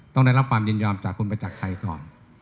ต้องได้รับความยินยอมจากคุณประจักรชัยก่อน